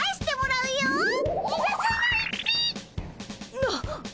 なっ。